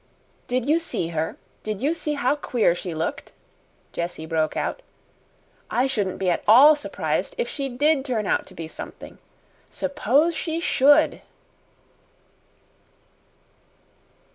"Did you see her? Did you see how queer she looked?" Jessie broke out. "I shouldn't be at all surprised if she did turn out to be something. Suppose she should!"